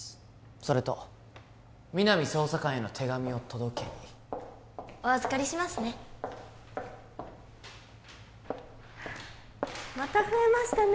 それと皆実捜査官への手紙を届けにお預かりしますねまた増えましたね